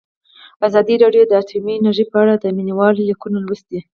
ازادي راډیو د اټومي انرژي په اړه د مینه والو لیکونه لوستي.